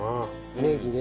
ねぎね。